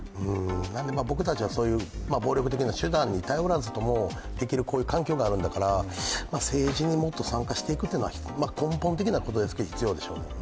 僕たちはそういう暴力的な手段に頼らずともできる環境にあるんだから政治にもっと参加していくというのは根本的なことですけど、必要でしょうね。